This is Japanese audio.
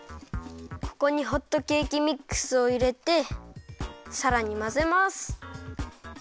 ここにホットケーキミックスをいれてさらにまぜます。